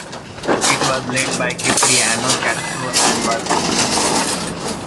It was led by Cipriano Castro and was successful.